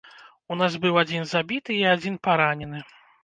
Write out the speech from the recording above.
У нас быў адзін забіты і адзін паранены.